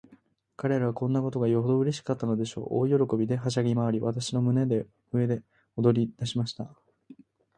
彼等はこんなことがよほどうれしかったのでしょう。大喜びで、はしゃぎまわり、私の胸の上で踊りだしました。